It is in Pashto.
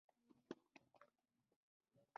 👕 تیشرت